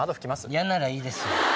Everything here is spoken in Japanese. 嫌ならいいです